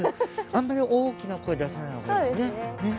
あんまり大きな声出さない方がいいですね。